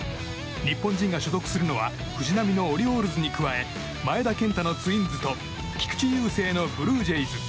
日本人が所属するのは藤浪のオリオールズに加え前田健太のツインズと菊池雄星のブルージェイズ。